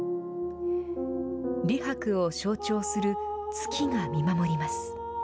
李白を象徴する月が見守ります。